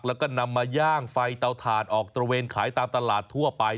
แล้วก็นำมาย่างไฟเตาถ่านออกตระเวนขายตามตลาดทั่วไป